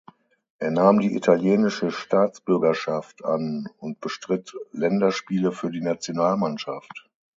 Er nahm die italienische Staatsbürgerschaft an und bestritt Länderspiele für die Nationalmannschaft.